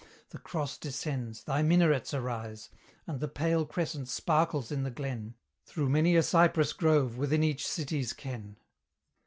The cross descends, thy minarets arise, And the pale crescent sparkles in the glen, Through many a cypress grove within each city's ken.